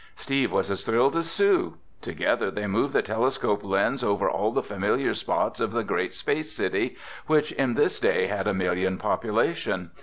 Steve was as thrilled as Sue. Together they moved the telescope lens over all the familiar spots of the great space city, which in this day had a million population.